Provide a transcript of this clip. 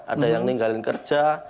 ada yang ninggalin kerja